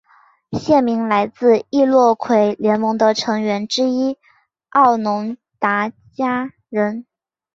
县名来自易洛魁联盟的成员之一奥农达加人。